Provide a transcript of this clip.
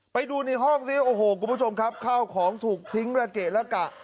ไปดูในห้องสิโอ้โหคุณผู้ชมครับข้าวของถูกทิ้งระเกะละกะ